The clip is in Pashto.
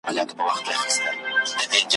برهان الدين کشککي